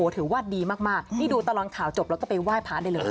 ถือว่าดีมากนี่ดูตลอดข่าวจบแล้วก็ไปไหว้พระได้เลย